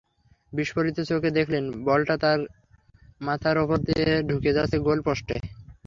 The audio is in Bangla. বিস্ফারিত চোখে দেখলেন, বলটা তাঁর মাথার ওপর দিয়ে ঢুকে যাচ্ছে গোলপোস্টে।